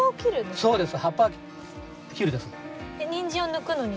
そうですね。